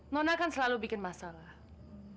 nona kan selalu bikin masalah